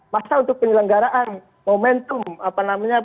masa untuk penyelenggaraan momentum apa namanya